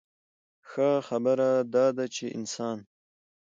ښۀ خبره دا ده چې انسان